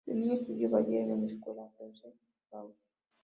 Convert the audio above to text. De niña estudió ballet en la escuela Freese-Baus.